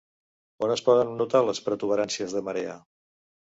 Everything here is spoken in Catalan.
On es poden notar les protuberàncies de marea?